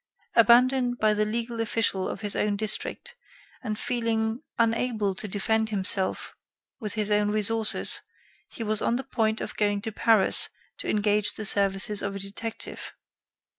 Abandoned by the legal official of his own district, and feeling unable to defend himself with his own resources, he was on the point of going to Paris to engage the services of a detective.